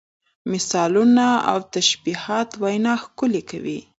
مثالونه او تشبیهات وینا ښکلې کوي.